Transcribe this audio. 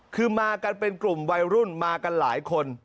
คือมากันเป็นกลุ่มวัยรุ่นมากันหลายคน